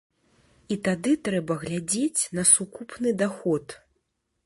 І тады трэба глядзець на сукупны даход.